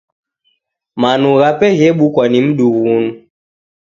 Manu ghape ghebukwa ni mdughunu.